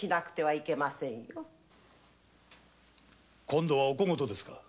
今度はお小言ですか？